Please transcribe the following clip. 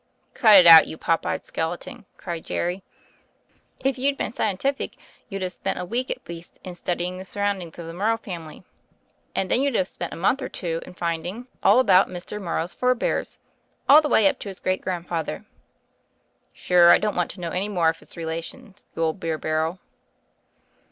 "Cut it out, you pop eyed skeleton," cried Jerry. "If you had been scientific, you'd have spent a week at least in studying the surroundings of the Morrow family — ^that's environment; and then you'd have spent a month or two in find 64 THE FAIRY OF THE SNOWS ing out all about Mr. Morrow's forebears, all the way up to his great grandfather." "Sure, I don't want to know any more of his relations — the old beer barrel."